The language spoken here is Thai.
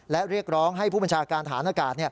และเรียกร้องให้ผู้บัญชาการฐานอากาศ